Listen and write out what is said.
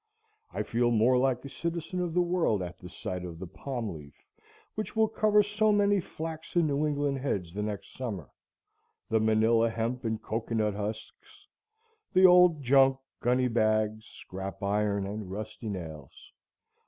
I feel more like a citizen of the world at the sight of the palm leaf which will cover so many flaxen New England heads the next summer, the Manilla hemp and cocoa nut husks, the old junk, gunny bags, scrap iron, and rusty nails.